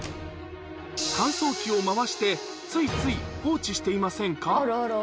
乾燥機を回して、ついつい放置していませんか？